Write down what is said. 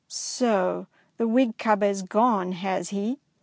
" So the Whig cub has gone, has he?